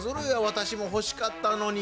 私も欲しかったのに。